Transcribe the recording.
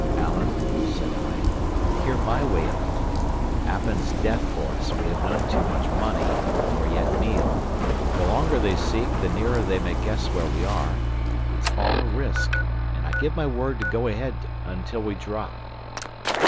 "Alan," said I, "hear my way of it. Appin's death for us; we have none too much money, nor yet meal; the longer they seek, the nearer they may guess where we are; it's all a risk; and I give my word to go ahead until we drop."